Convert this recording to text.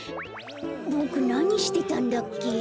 ボクなにしてたんだっけ？